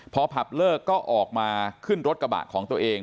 พอผับเลิกก็ออกมาขึ้นรถกระบะของตัวเอง